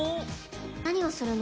何をするの？